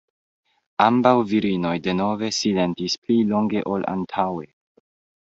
Ambaŭ virinoj denove silentis pli longe ol antaŭe.